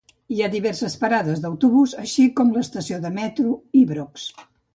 Hi ha diverses parades d'autobús així com l'estació de metro Ibrox.